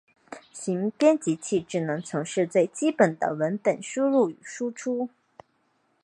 行编辑器只能从事最基本的文本输入与输出。